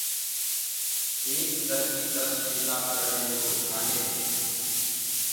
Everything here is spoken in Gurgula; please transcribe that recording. ايڪ درجي دس چيلآ ڪرليندوئي ڪآلي